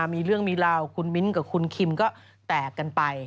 มีเรื่องมีราวคุณมิ้นกับคุณคิมก็แตกกันไป